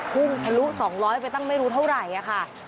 พุ่งบรรดิ๒๐๐มิลลิกรัมไปตั้งไม่รู้เท่าไหร่ค่ะ